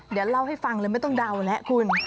เดี๋ยวเล่าให้ฟังเลยไม่ต้องเดาแล้วคุณ